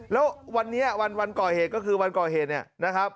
แล้ววันนี้วันก่อเหตุก็คือวันก่อเหตุเนี่ยนะครับ